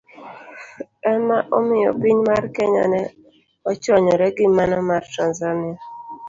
Ema omiyo piny mar Kenya ne ochwanyore gi mano mar Tanzania.